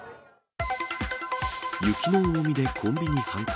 雪の重みでコンビニ半壊。